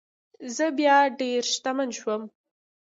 زه بیا ډیر شتمن شوم.